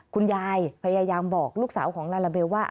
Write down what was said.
คุณยายพยายามบอกลูกสาวของลาลาเบลว่า